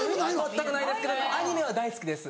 全くないですけどアニメは大好きです。